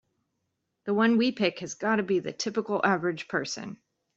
The one we pick has gotta be the typical average person.